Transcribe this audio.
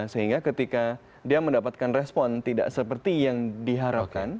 sehingga ketika dia mendapatkan respon tidak seperti yang diharapkan